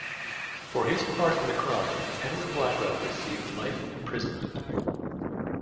For his part in the crime Edward Blackwell received life imprisonment.